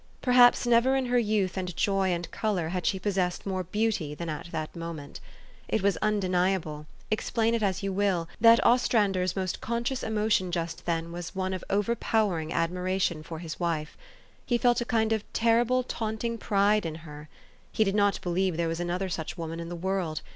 Perhaps never in her youth and joy and color had she possessed more beauty than at that moment. It is undeniable, explain it as you will, that Ostrander's most conscious emotion just then was one of overpowering admiration for his wife. He felt a kind of terrible taunting pride in her. He did not believe there was another such woman in the world.